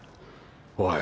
おい